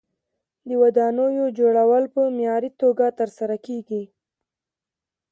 د ودانیو جوړول په معیاري توګه ترسره کیږي.